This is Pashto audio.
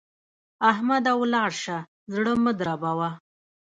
احمده! ولاړ شه؛ زړه مه دربوه.